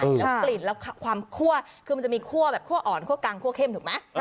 แล้วกลิ่นแล้วความคั่วคือมันจะมีคั่วแบบคั่วอ่อนคั่วกลางคั่วเข้มถูกไหม